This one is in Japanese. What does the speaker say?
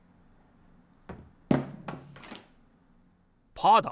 パーだ！